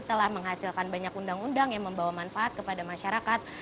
telah menghasilkan banyak undang undang yang membawa manfaat kepada masyarakat